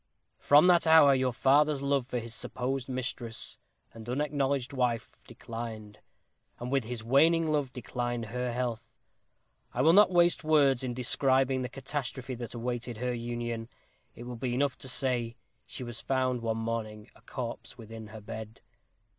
"From that hour your father's love for his supposed mistress, and unacknowledged wife, declined; and with his waning love declined her health. I will not waste words in describing the catastrophe that awaited her union. It will be enough to say, she was found one morning a corpse within her bed.